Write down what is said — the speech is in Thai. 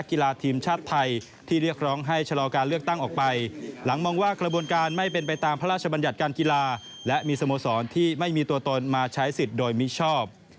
การกีฬาและมีสโมสรที่ไม่มีตัวตนมาใช้สิทธิ์โดยมิชชอบ